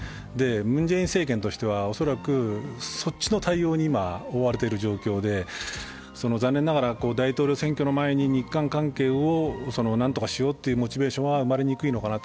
ムン・ジェイン政権としては恐らくそっちの対応に今、追われている状況で、残念ながら大統領選挙の前に日韓関係を何とかしようというモチベーションは生まれにくいのかなと。